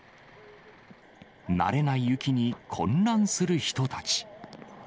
慣れない雪に混乱する人たち。